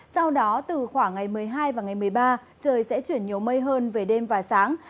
sau đó từ khoảng ngày một mươi hai và ngày một mươi ba trời sẽ chuyển nhiều mây hơn về đêm và sáng